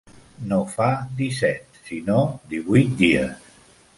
No fa disset, sinó divuit dies.